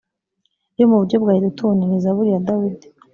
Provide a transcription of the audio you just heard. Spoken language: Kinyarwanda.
iyo mu buryo bwa yedutuni ni zaburi ya dawidi